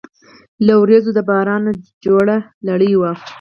له وریځو د باران جوړه لړۍ وه